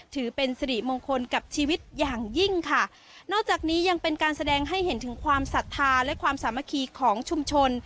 ถือเป็นสิริมงคลกับชีวิตอย่างยิ่งค่ะนอกจากนี้ยังเป็นการแสดงให้เห็นถึงความศรัทธาและความสามัคคีของชุมชน